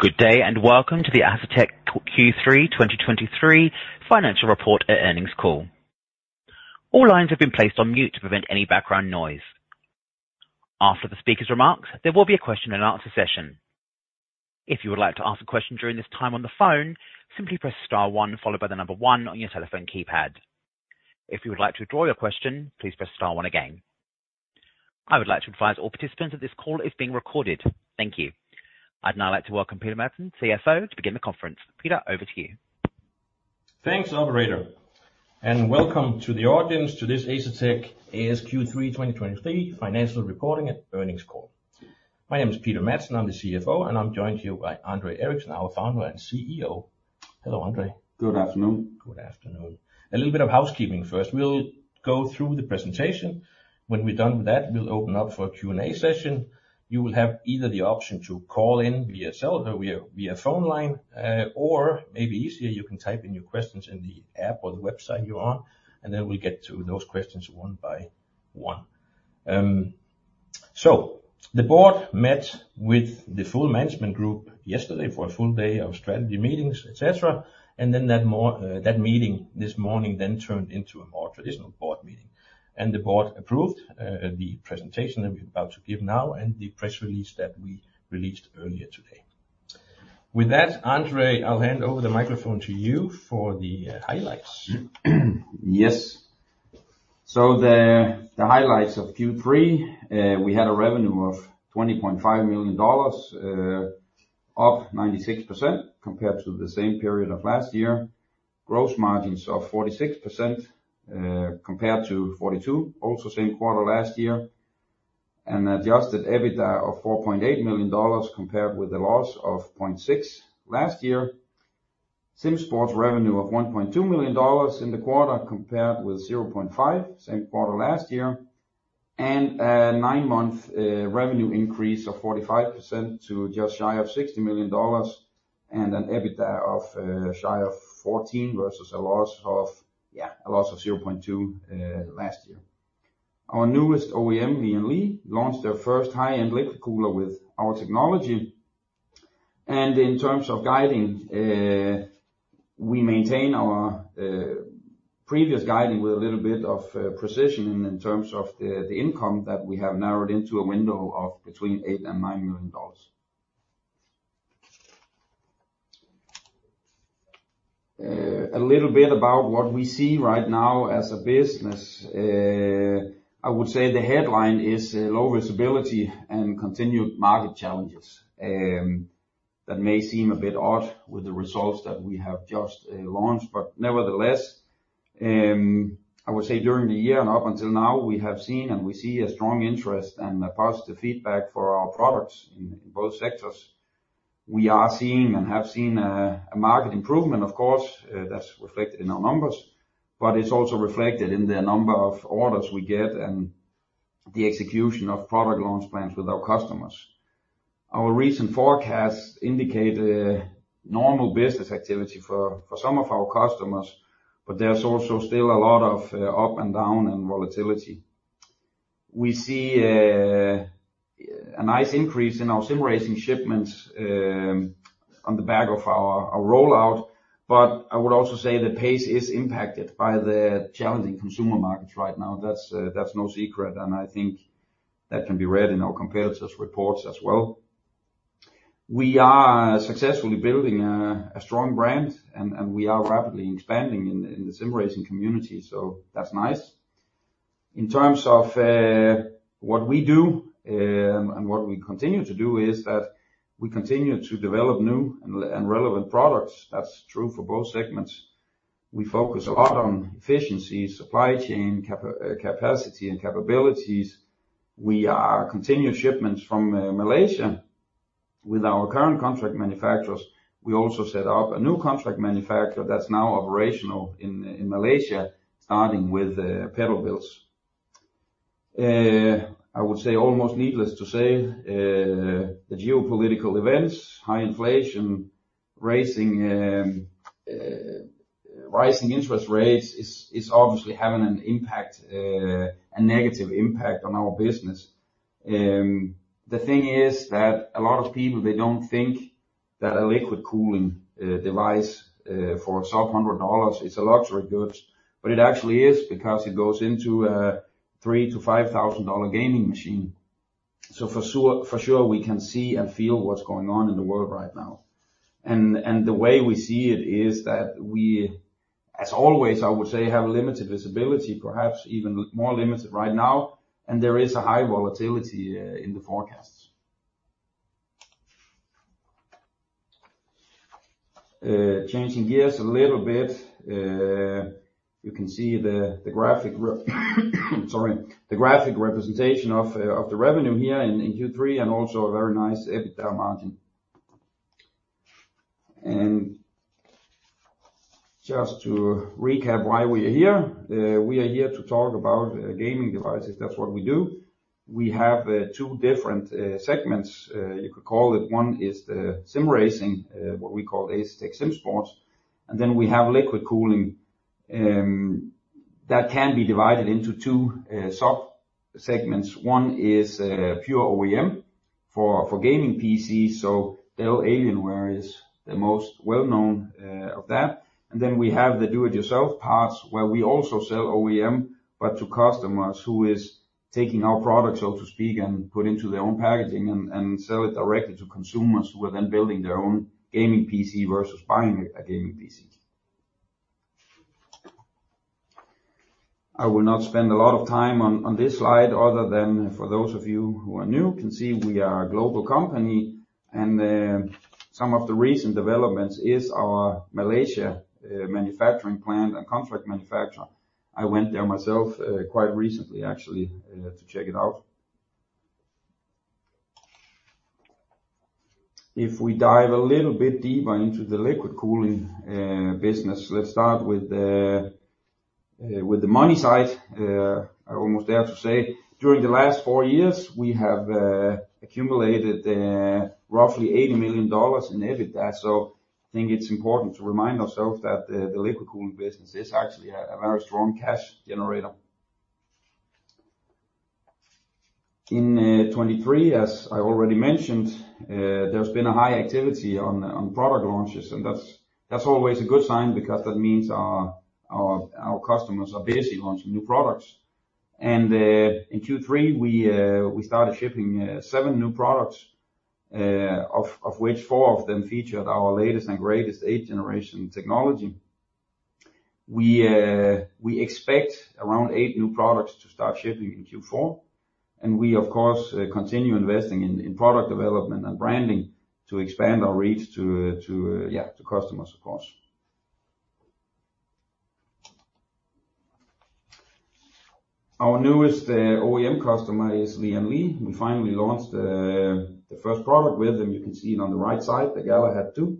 Good day, and welcome to the Asetek Q3 2023 financial report and earnings call. All lines have been placed on mute to prevent any background noise. After the speaker's remarks, there will be a question-and-answer session. If you would like to ask a question during this time on the phone, simply press star-one, followed by the number one on your telephone keypad. If you would like to withdraw your question, please press star one-again. I would like to advise all participants that this call is being recorded. Thank you. I'd now like to welcome Peter Madsen, CFO, to begin the conference. Peter, over to you. Thanks, operator, and welcome to the audience to this Asetek Q3 2023 financial reporting earnings call. My name is Peter Dam Madsen, I'm the CFO, and I'm joined here by André Eriksen, our founder and CEO. Hello, André. Good afternoon. Good afternoon. A little bit of housekeeping first. We'll go through the presentation. When we're done with that, we'll open up for a Q&A session. You will have either the option to call in via cell or via phone line, or maybe easier, you can type in your questions in the app or the website you are on, and then we'll get to those questions one by one. So the board met with the full management group yesterday for a full day of strategy meetings, etc., and then that meeting this morning then turned into a more traditional board meeting. The board approved the presentation that we're about to give now and the press release that we released earlier today. With that, André, I'll hand over the microphone to you for the highlights. Yes. So the highlights of Q3, we had a revenue of $20.5 million, up 96% compared to the same period of last year. Gross margins of 46%, compared to 42%, also same quarter last year, and adjusted EBITDA of $4.8 million, compared with a loss of $0.6 million last year. SimSports revenue of $1.2 million in the quarter, compared with $0.5 million, same quarter last year, and a nine-month revenue increase of 45% to just shy of $60 million and an EBITDA of shy of 14 versus a loss of, yeah, a loss of $0.2 million last year. Our newest OEM, Lian Li, launched their first high-end liquid cooler with our technology. In terms of guiding, we maintain our previous guiding with a little bit of precision in terms of the income that we have narrowed into a window of between $8 million and $9 million. A little bit about what we see right now as a business. I would say the headline is low visibility and continued market challenges. That may seem a bit odd with the results that we have just launched, but nevertheless, I would say during the year and up until now, we have seen and we see a strong interest and a positive feedback for our products in both sectors. We are seeing and have seen a market improvement, of course, that's reflected in our numbers, but it's also reflected in the number of orders we get and the execution of product launch plans with our customers. Our recent forecasts indicate a normal business activity for some of our customers, but there's also still a lot of up and down and volatility. We see a nice increase in our sim racing shipments on the back of our rollout, but I would also say the pace is impacted by the challenging consumer markets right now. That's no secret, and I think that can be read in our competitors' reports as well. We are successfully building a strong brand, and we are rapidly expanding in the sim racing community, so that's nice. In terms of what we do and what we continue to do, is that we continue to develop new and relevant products. That's true for both segments. We focus a lot on efficiency, supply chain, capacity and capabilities. We are continuing shipments from Malaysia with our current contract manufacturers. We also set up a new contract manufacturer that's now operational in Malaysia, starting with pedal builds. I would say, almost needless to say, the geopolitical events, high inflation, rising interest rates is obviously having an impact, a negative impact on our business. The thing is that a lot of people, they don't think that a liquid cooling device for some hundred dollars, it's a luxury goods, but it actually is because it goes into a $3,000-$5,000 gaming machine. So for sure, for sure, we can see and feel what's going on in the world right now. And the way we see it is that we, as always, I would say, have limited visibility, perhaps even more limited right now, and there is a high volatility in the forecasts. Changing gears a little bit, you can see the graphic representation of the revenue here in Q3 and also a very nice EBITDA margin. And just to recap why we are here, we are here to talk about gaming devices. That's what we do. We have two different segments, you could call it. One is the sim racing, what we call Asetek SimSports, and then we have liquid cooling that can be divided into two soft segments. One is pure OEM for gaming PCs, so Dell Alienware is the most well-known of that. And then we have the do-it-yourself parts, where we also sell OEM, but to customers who is taking our products, so to speak, and put into their own packaging and sell it directly to consumers who are then building their own gaming PC versus buying a gaming PC. I will not spend a lot of time on this slide, other than for those of you who are new, can see we are a global company, and some of the recent developments is our Malaysia manufacturing plant and contract manufacturer. I went there myself quite recently, actually, to check it out. If we dive a little bit deeper into the liquid cooling business, let's start with the money side. I almost dare to say, during the last four years, we have accumulated roughly $80 million in EBITDA, so I think it's important to remind ourselves that the liquid cooling business is actually a very strong cash generator. In 2023, as I already mentioned, there's been a high activity on product launches, and that's always a good sign because that means our customers are busy launching new products. And in Q3, we started shipping seven new products, of which four of them featured our latest and greatest eighth generation technology. We expect around eight new products to start shipping in Q4, and we, of course, continue investing in product development and branding to expand our reach to customers, of course. Our newest OEM customer is Lian Li. We finally launched the first product with them. You can see it on the right side, the Galahad II.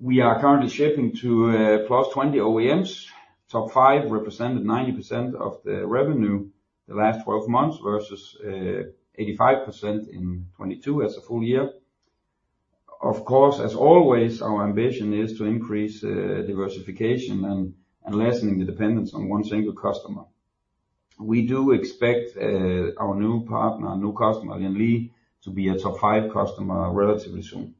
We are currently shipping to plus 20 OEMs. Top five represented 90% of the revenue the last 12 months, versus 85% in 2022 as a full year. Of course, as always, our ambition is to increase diversification and lessening the dependence on one single customer. We do expect our new partner, new customer, Lian Li, to be a top five customer relatively soon.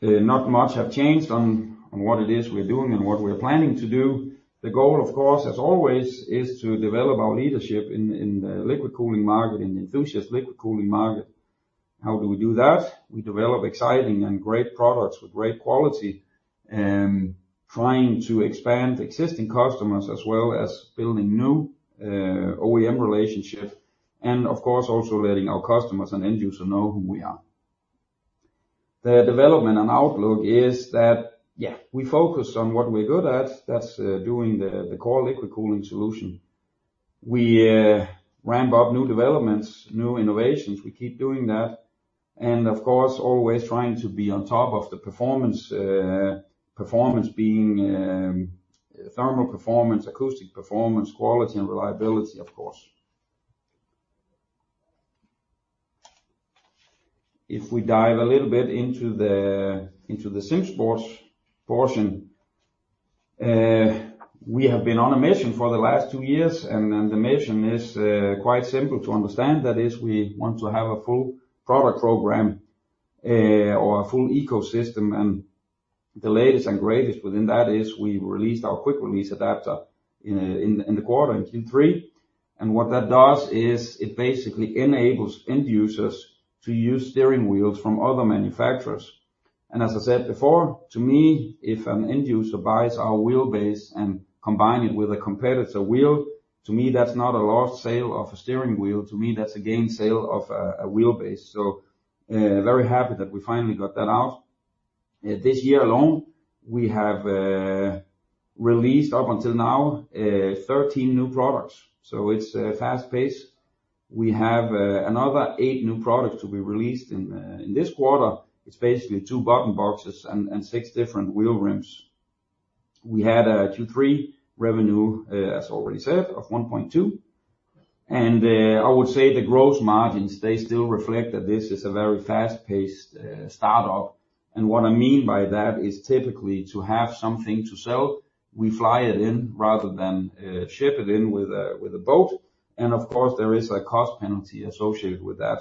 Not much have changed on what it is we're doing and what we're planning to do. The goal, of course, as always, is to develop our leadership in the liquid cooling market, in the enthusiast liquid cooling market. How do we do that? We develop exciting and great products with great quality, trying to expand existing customers as well as building new OEM relationship, and of course, also letting our customers and end user know who we are. The development and outlook is that, yeah, we focus on what we're good at, that's doing the core liquid cooling solution. We ramp up new developments, new innovations. We keep doing that, and of course, always trying to be on top of the performance, performance being thermal performance, acoustic performance, quality and reliability, of course. If we dive a little bit into the SimSports portion, we have been on a mission for the last two years, and the mission is quite simple to understand. That is, we want to have a full product program or a full ecosystem, and the latest and greatest within that is we released our quick release adapter in the quarter, in Q3. And what that does is it basically enables end users to use steering wheels from other manufacturers. And as I said before, to me, if an end user buys our wheelbase and combine it with a competitor wheel, to me, that's not a lost sale of a steering wheel. To me, that's a gain sale of a wheelbase. So, very happy that we finally got that out. This year alone, we have released up until now 13 new products, so it's fast-paced. We have another 8 new products to be released in this quarter. It's basically 2 button boxes and 6 different wheel rims. We had a Q3 revenue, as already said, of $1.2 million, and I would say the gross margins, they still reflect that this is a very fast-paced start-up. And what I mean by that is typically to have something to sell, we fly it in rather than ship it in with a boat. And of course, there is a cost penalty associated with that.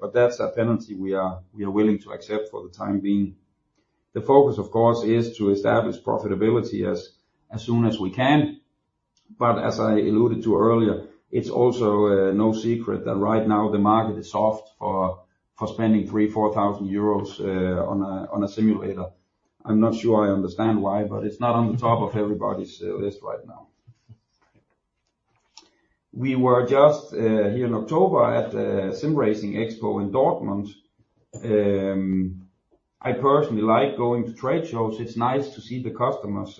But that's a penalty we are willing to accept for the time being. The focus, of course, is to establish profitability as soon as we can. But as I alluded to earlier, it's also no secret that right now the market is soft for spending 3,000 euros, 4,000 euros EUR on a simulator. I'm not sure I understand why, but it's not on the top of everybody's list right now. We were just here in October at the SimRacing Expo in Dortmund. I personally like going to trade shows. It's nice to see the customers,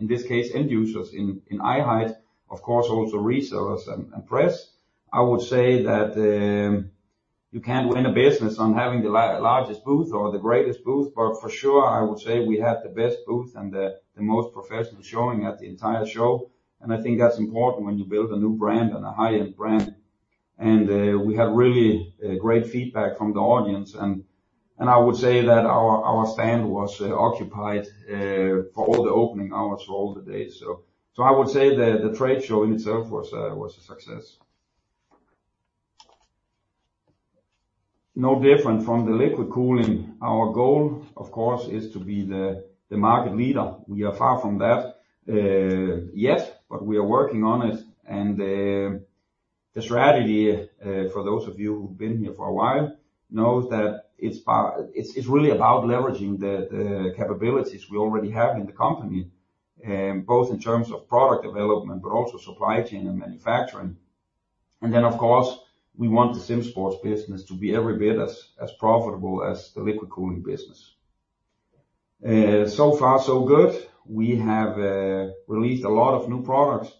in this case, end users in eye height, of course, also resellers and press. I would say that you can't win a business on having the largest booth or the greatest booth, but for sure, I would say we have the best booth and the most professional showing at the entire show. And I think that's important when you build a new brand and a high-end brand. And we had really great feedback from the audience. And I would say that our stand was occupied for all the opening hours for all the days. I would say that the trade show in itself was a success. No different from the liquid cooling. Our goal, of course, is to be the market leader. We are far from that, yet, but we are working on it. And the strategy for those of you who've been here for a while knows that it's really about leveraging the capabilities we already have in the company, both in terms of product development, but also supply chain and manufacturing. And then, of course, we want the Sim Sports business to be every bit as profitable as the liquid cooling business. So far, so good. We have released a lot of new products,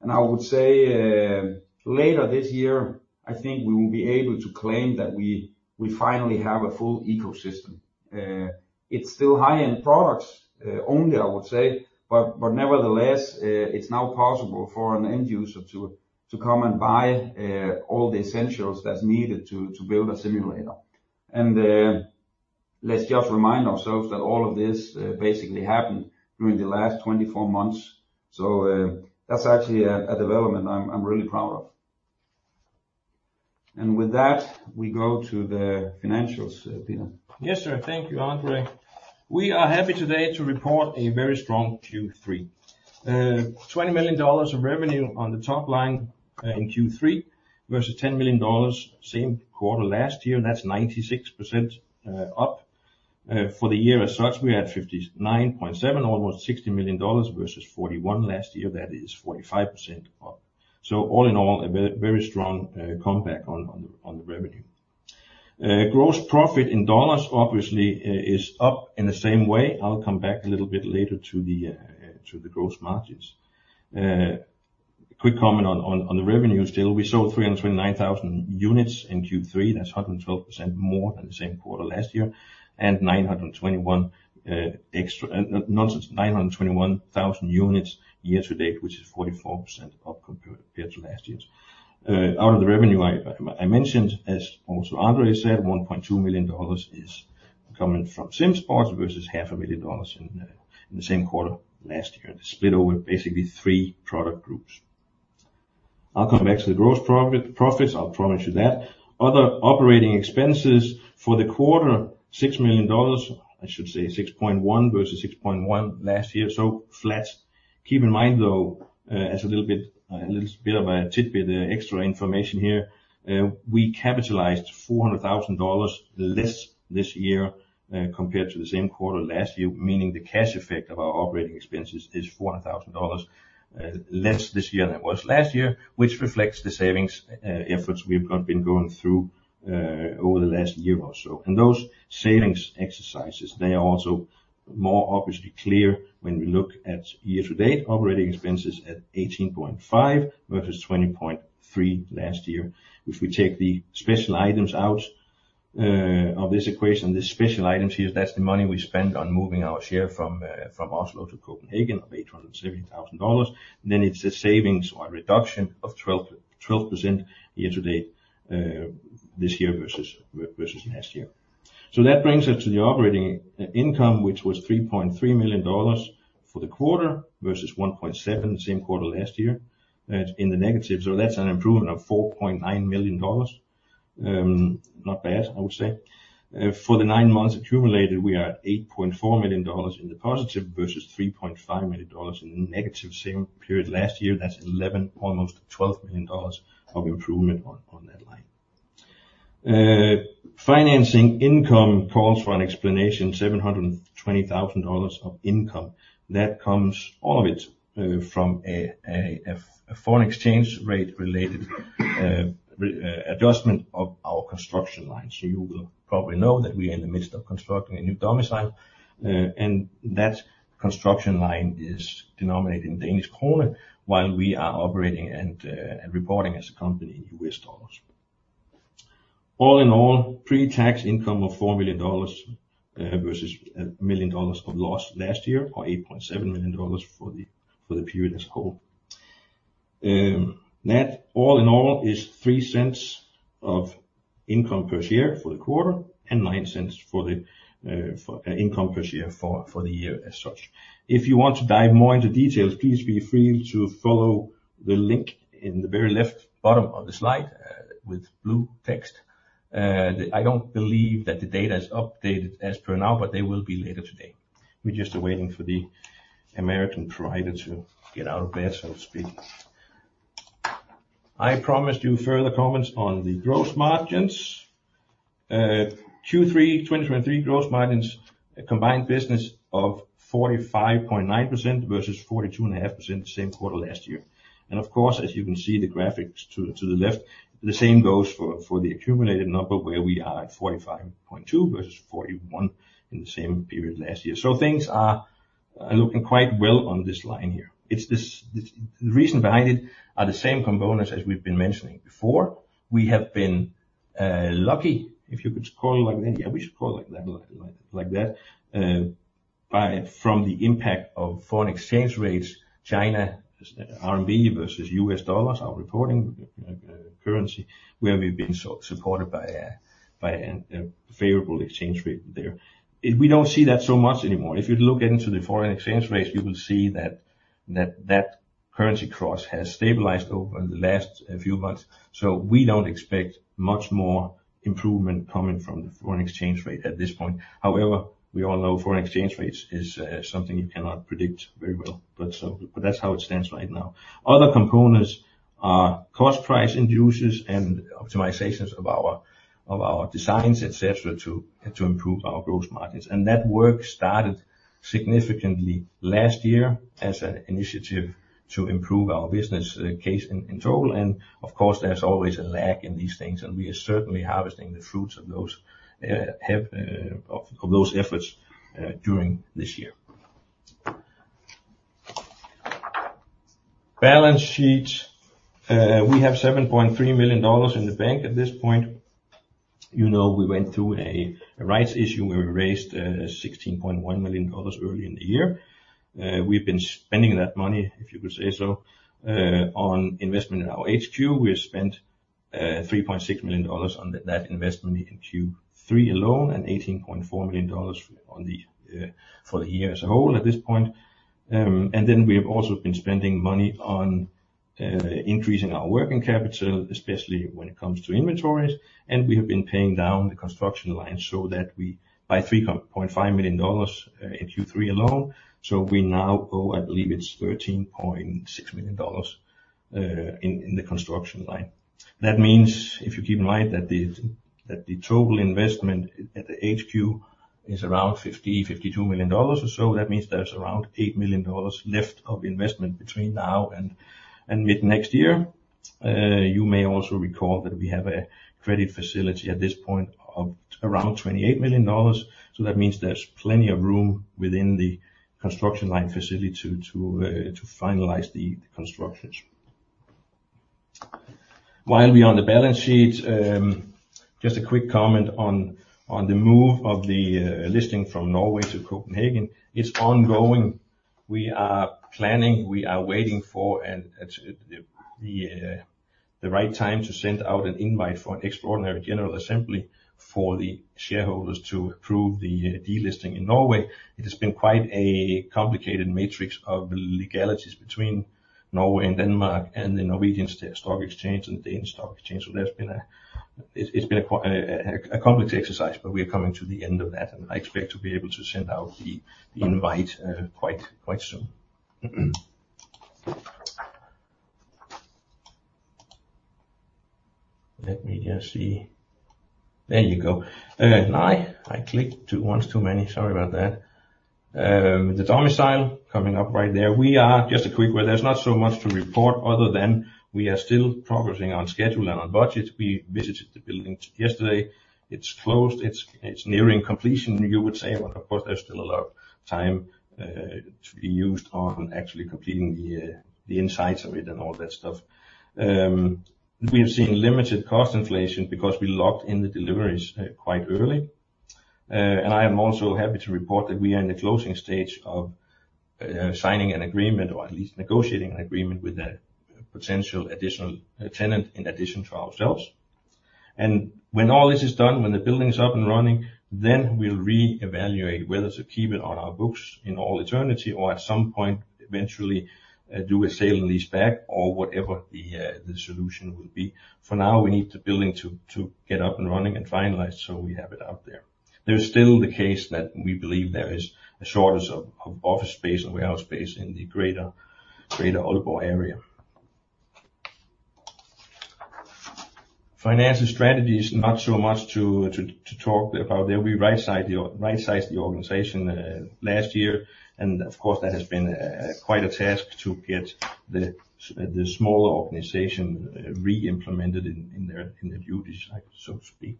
and I would say later this year, I think we will be able to claim that we finally have a full ecosystem. It's still high-end products, only, I would say, but, but nevertheless, it's now possible for an end user to come and buy all the essentials that's needed to build a simulator. And, let's just remind ourselves that all of this basically happened during the last 24 months. So, that's actually a development I'm really proud of. And with that, we go to the financials, Peter. Yes, sir. Thank you, André. We are happy today to report a very strong Q3. $20 million of revenue on the top line in Q3 versus $10 million, same quarter last year. That's 96% up. For the year as such, we had $59.7 million, almost $60 million versus $41 million last year. That is 45% up. So all in all, a very strong comeback on the revenue. Gross profit in dollars obviously is up in the same way. I'll come back a little bit later to the gross margins. Quick comment on the revenue still. We sold 329,000 units in Q3. That's 112% more than the same quarter last year, and 921,000 units year to date, which is 44% up compared to last year. Out of the revenue I mentioned, as also Andre said, $1.2 million is coming from SimSports versus $500,000 in the same quarter last year. Split over basically three product groups. I'll come back to the gross profit, profits, I'll promise you that. Other operating expenses for the quarter, $6 million, I should say $6.1 million versus $6.1 million last year, so flat. Keep in mind, though, as a little bit, a little bit of a tidbit, extra information here, we capitalized $400,000 less this year, compared to the same quarter last year, meaning the cash effect of our operating expenses is $400,000 less this year than it was last year, which reflects the savings efforts we've got been going through over the last year or so. And those savings exercises, they are also more obviously clear when we look at year-to-date operating expenses at $18.5 million versus $20.3 million last year. If we take the special items out of this equation, the special items here, that's the money we spent on moving our share from Oslo to Copenhagen of $870,000. It's a savings or a reduction of 12% year-to-date this year versus last year. So that brings us to the operating income, which was $3.3 million for the quarter, versus $1.7 million same quarter last year in the negative. So that's an improvement of $4.9 million. Not bad, I would say. For the nine months accumulated, we are at $8.4 million in the positive, versus $3.5 million in the negative same period last year. That's $11 million, almost $12 million of improvement on that line. Financing income calls for an explanation, $720,000 of income. That comes all of it from a foreign exchange rate related adjustment of our construction line. So you will probably know that we are in the midst of constructing a new domicile, and that construction line is denominated in Danish kroner, while we are operating and reporting as a company in U.S. dollars. All in all, pre-tax income of $4 million, versus $1 million of loss last year, or $8.7 million for the period as a whole. Net all in all, is $0.03 of income per share for the quarter and $0.09 for the income per share for the year as such. If you want to dive more into details, please feel free to follow the link in the very left bottom of the slide, with blue text. I don't believe that the data is updated as per now, but they will be later today. We're just waiting for the American provider to get out of bed, so to speak. I promised you further comments on the gross margins. Q3 2023 gross margins, a combined business of 45.9% versus 42.5% the same quarter last year. Of course, as you can see the graphics to the left, the same goes for the accumulated number, where we are at 45.2% versus 41% in the same period last year. Things are looking quite well on this line here. It's this, the reason behind it are the same components as we've been mentioning before. We have been lucky. If you could scroll like that, yeah, we should scroll like that, like that. From the impact of foreign exchange rates, China, RMB versus U.S. dollars, our reporting currency, where we've been so supported by a favorable exchange rate there. And we don't see that so much anymore. If you look into the foreign exchange rates, you will see that currency cross has stabilized over the last few months, so we don't expect much more improvement coming from the foreign exchange rate at this point. However, we all know foreign exchange rates is something you cannot predict very well, but so but that's how it stands right now. Other components are cost price increases and optimizations of our designs, etc., to improve our gross margins. And that work started significantly last year as an initiative to improve our business case in total. Of course, there's always a lag in these things, and we are certainly harvesting the fruits of those efforts during this year. Balance sheet. We have $7.3 million in the bank at this point. You know, we went through a rights issue, where we raised $16.1 million early in the year. We've been spending that money, if you could say so, on investment in our HQ. We spent $3.6 million on that investment in Q3 alone, and $18.4 million for the year as a whole at this point. And then we have also been spending money on increasing our working capital, especially when it comes to inventories, and we have been paying down the construction line by $3.5 million in Q3 alone. So we now owe, I believe, it's $13.6 million in the construction line. That means, if you keep in mind, that the total investment at the HQ is around $50 million, $52 million dollars or so, that means there's around $8 million left of investment between now and mid-next year. You may also recall that we have a credit facility at this point of around $28 million, so that means there's plenty of room within the construction line facility to finalize the constructions. While we're on the balance sheet, just a quick comment on the move of the listing from Norway to Copenhagen. It's ongoing. We are planning, we are waiting for, at the right time to send out an invite for an extraordinary general assembly for the shareholders to approve the delisting in Norway. It has been quite a complicated matrix of legalities between Norway and Denmark, and the Norwegian Stock Exchange, and the Danish Stock Exchange. It's been a quite a complex exercise, but we are coming to the end of that, and I expect to be able to send out the invite quite soon. Let me just see. There you go. Now I clicked two ones too many. Sorry about that. The domicile coming up right there. We are just a quick where there's not so much to report other than we are still progressing on schedule and on budget. We visited the building yesterday. It's closed, it's nearing completion, you would say, but of course, there's still a lot of time to be used on actually completing the insides of it and all that stuff. We have seen limited cost inflation because we locked in the deliveries quite early. And I am also happy to report that we are in the closing stage of signing an agreement, or at least negotiating an agreement with a potential additional tenant in addition to ourselves. And when all this is done, when the building is up and running, then we'll re-evaluate whether to keep it on our books in all eternity or at some point, eventually, do a sale and leaseback, or whatever the solution will be. For now, we need the building to get up and running and finalized, so we have it out there. There's still the case that we believe there is a shortage of office space and warehouse space in the greater Aalborg area. Financial strategy is not so much to talk about. There'll be right size the organization last year, and of course, that has been quite a task to get the smaller organization re-implemented in their duties, so to speak.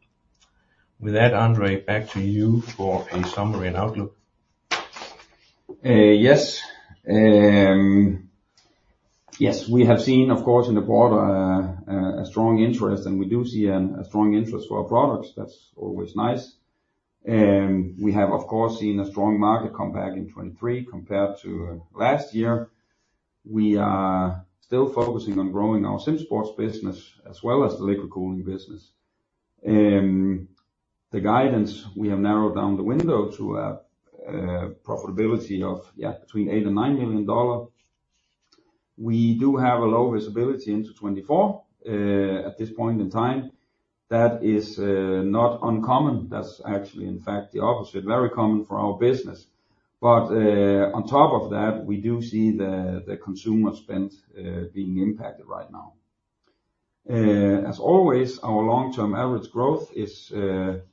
With that, André, back to you for a summary and outlook. Yes. Yes, we have seen, of course, in the quarter, a strong interest, and we do see a strong interest for our products. That's always nice. We have, of course, seen a strong market come back in 2023 compared to last year. We are still focusing on growing our SimSports business as well as the liquid cooling business. The guidance, we have narrowed down the window to a profitability of between $8 million and $9 million. We do have a low visibility into 2024 at this point in time. That is not uncommon. That's actually, in fact, the opposite, very common for our business. But on top of that, we do see the consumer spend being impacted right now. As always, our long-term average growth is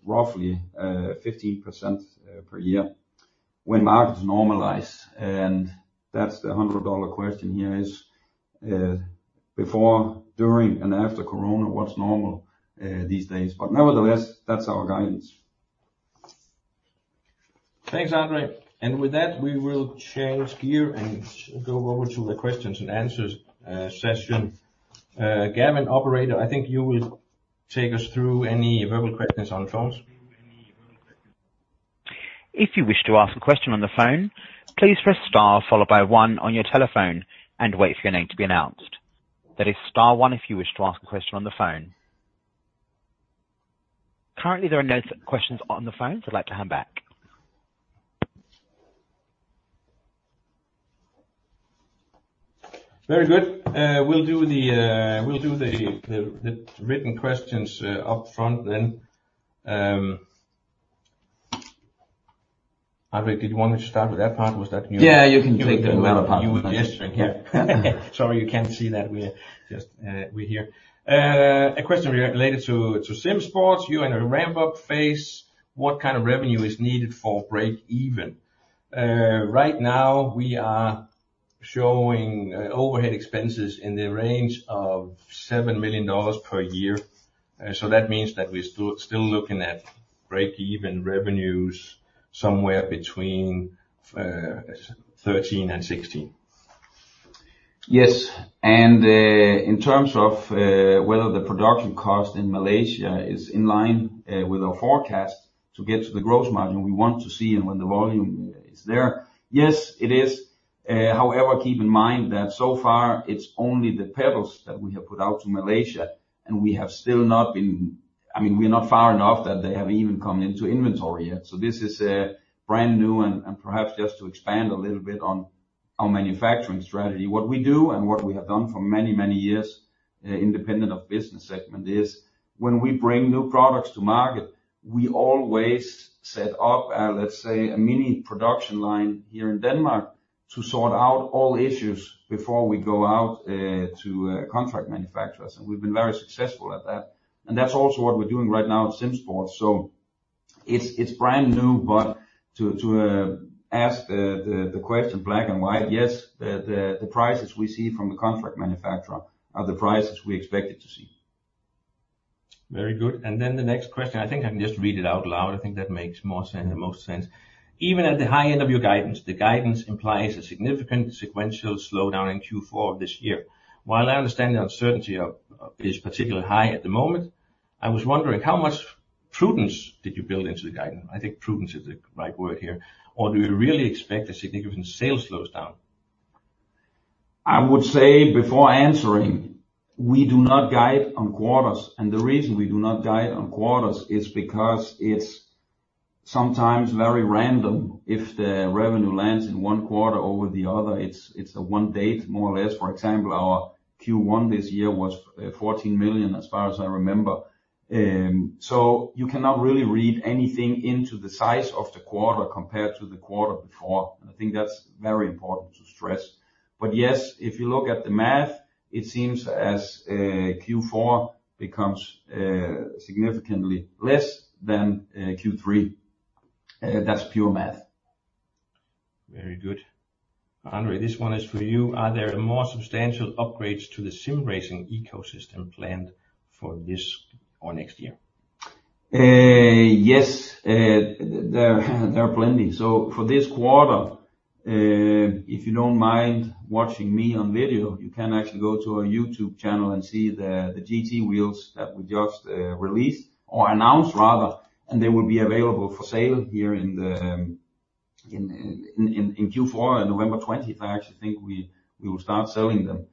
roughly 15% per year when markets normalize, and that's the $100 question here is: before, during, and after Corona, what's normal these days? But nevertheless, that's our guidance. Thanks, André. And with that, we will change gear and go over to the questions-and-answers session. Gavin, operator, I think you will take us through any verbal questions on the phones? If you wish to ask a question on the phone, please press star followed by one on your telephone and wait for your name to be announced. That is star one, if you wish to ask a question on the phone. Currently, there are no questions on the phone, so I'd like to hand back. Very good. We'll do the written questions up front then. André, did you want me to start with that part? Was that you? Yeah, you can take the other part. You were gesturing, yeah. Sorry, you can't see that we're here. A question related to, to SimSports. You're in a ramp-up phase, what kind of revenue is needed for break-even? Right now, we are showing overhead expenses in the range of $7 million per year. So that means that we're still, still looking at break-even revenues somewhere between $13 million and $16 million. Yes, and in terms of whether the production cost in Malaysia is in line with our forecast to get to the gross margin we want to see and when the volume is there. Yes, it is. However, keep in mind that so far it's only the pedals that we have put out to Malaysia, and we're not far enough that they have even come into inventory yet. So this is brand new and perhaps just to expand a little bit on manufacturing strategy. What we do and what we have done for many, many years, independent of business segment, is when we bring new products to market, we always set up, let's say, a mini production line here in Denmark to sort out all issues before we go out to contract manufacturers. And we've been very successful at that. And that's also what we're doing right now at SimSports. So it's brand new, but to ask the question, black and white, yes, the prices we see from the contract manufacturer are the prices we expected to see. Very good. And then the next question, I think I can just read it out loud. I think that makes more sense, the most sense. Even at the high end of your guidance, the guidance implies a significant sequential slowdown in Q4 of this year. While I understand the uncertainty of, is particularly high at the moment, I was wondering how much prudence did you build into the guidance? I think prudence is the right word here, or do you really expect a significant sales slows down? I would say before answering, we do not guide on quarters, and the reason we do not guide on quarters is because it's sometimes very random if the revenue lands in one quarter over the other, it's a one date, more or less. For example, our Q1 this year was $14 million, as far as I remember. So you cannot really read anything into the size of the quarter compared to the quarter before, and I think that's very important to stress. But yes, if you look at the math, it seems as Q4 becomes significantly less than Q3. That's pure math. Very good. André, this one is for you. Are there more substantial upgrades to the sim racing ecosystem planned for this or next year? Yes, there are plenty. So for this quarter, if you don't mind watching me on video, you can actually go to our YouTube channel and see the GT wheels that we just released or announced, rather, and they will be available for sale here in Q4, on November 20. I actually think we will start selling them.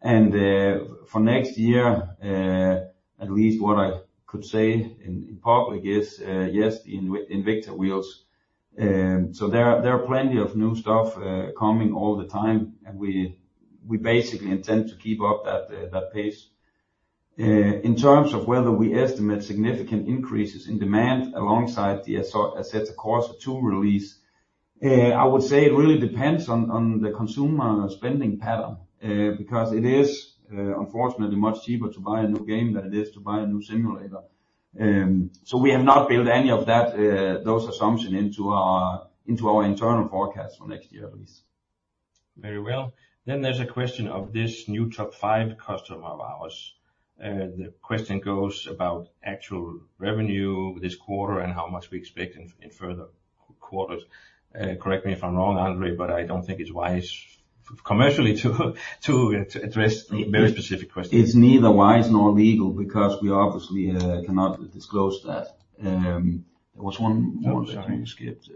And for next year, at least what I could say in public is yes, Invicta Wheels. So there are plenty of new stuff coming all the time, and we basically intend to keep up that pace. In terms of whether we estimate significant increases in demand alongside the Assetto Corsa 2 release, I would say it really depends on the consumer spending pattern, because it is, unfortunately, much cheaper to buy a new game than it is to buy a new simulator. So we have not built any of that, those assumptions into our internal forecast for next year, at least. Very well. Then there's a question of this new top five customer of ours. The question goes about actual revenue this quarter and how much we expect in further quarters. Correct me if I'm wrong, André, but I don't think it's wise commercially to address very specific questions. It's neither wise nor legal, because we obviously cannot disclose that. There was one thing we skipped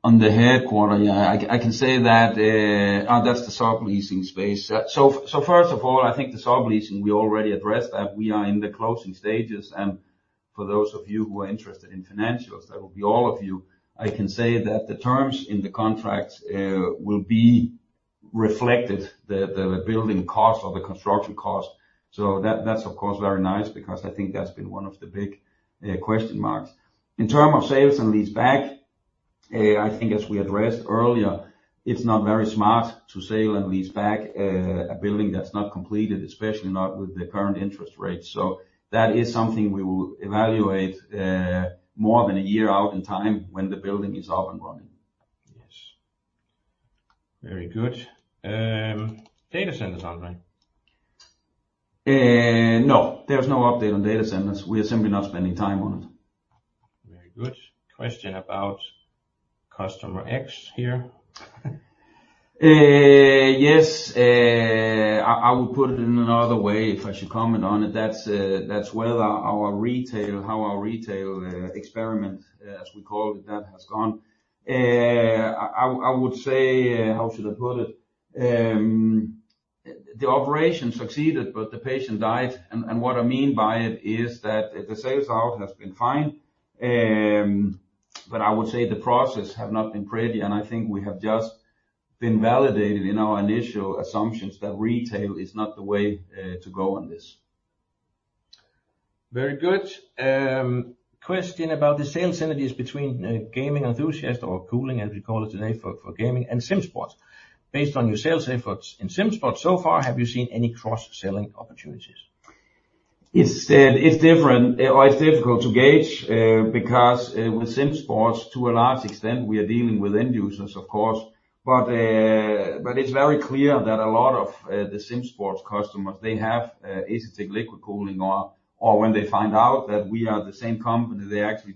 on the headquarters, yeah, I can say that. That's the subleasing space. So first of all, I think the subleasing, we already addressed that we are in the closing stages, and for those of you who are interested in financials, that will be all of you. I can say that the terms in the contract will be reflected, the building cost or the construction cost. So that's of course very nice because I think that's been one of the big question marks. In terms of sales and leaseback, I think as we addressed earlier, it's not very smart to sell and lease back a building that's not completed, especially not with the current interest rates. So that is something we will evaluate more than a year out in time when the building is up and running. Very good. Data centers, André? No, there's no update on data centers. We are simply not spending time on it. Very good. Question about customer X here. Yes, I would put it in another way, if I should comment on it. That's whether our retail, how our retail experiment, as we call it, that has gone. I would say, how should I put it? The operation succeeded, but the patient died. And what I mean by it is that the sales out has been fine. But I would say the process have not been pretty, and I think we have just been validated in our initial assumptions that retail is not the way to go on this. Very good. Question about the sales synergies between gaming enthusiast or cooling, as we call it today, for gaming and SimSports. Based on your sales efforts in SimSports so far, have you seen any cross-selling opportunities? It's different, or it's difficult to gauge, because with SimSports, to a large extent, we are dealing with end users, of course. But it's very clear that a lot of the SimSports customers, they have Asetek liquid cooling, or when they find out that we are the same company, they actually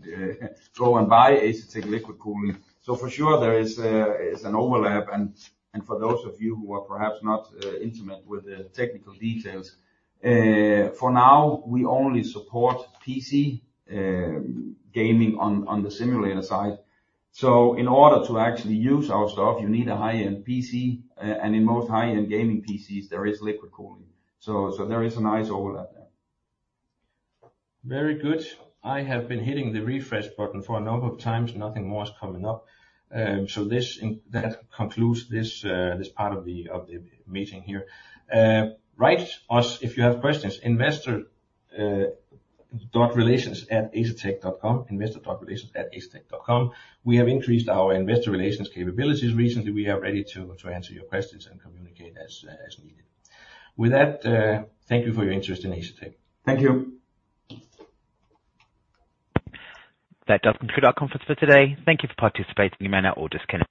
go and buy Asetek liquid cooling. So for sure, there is an overlap. And for those of you who are perhaps not intimate with the technical details, for now, we only support PC gaming on the simulator side. So in order to actually use our stuff, you need a high-end PC, and in most high-end gaming PCs, there is liquid cooling. So there is a nice overlap there. Very good. I have been hitting the refresh button for a number of times, nothing more is coming up. So that concludes this part of the meeting here. Write us if you have questions, investor dot relations at asetek.com, investor.relations@asetek.com. We have increased our investor relations capabilities recently. We are ready to answer your questions and communicate as needed. With that, thank you for your interest in Asetek. Thank you. That does conclude our conference for today. Thank you for participating. You may now all disconnect.